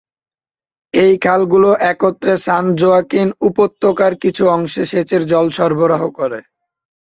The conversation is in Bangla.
এই খালগুলো একত্রে সান জোয়াকিন উপত্যকার কিছু অংশে সেচের জল সরবরাহ করে।